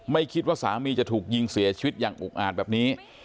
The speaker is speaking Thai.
ไม่คิดว่าสามีจะถูกยิงเสียชีวิตอย่างอุกอาจแบบนี้